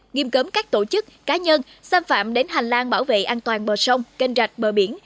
nghiêm cấm các tổ chức cá nhân xâm phạm đến hành lang bảo vệ an toàn bờ sông kênh rạch bờ biển